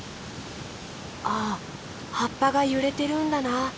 あはっぱがゆれてるんだな。